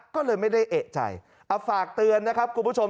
ก็เลยไม่ได้เอกใจเอาฝากเตือนนะครับคุณผู้ชม